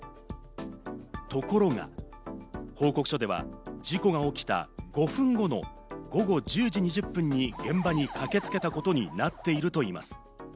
ところが報告書では事故が起きた５分後の午後１０時２０分に現場に駆けつけたことになっているといいます。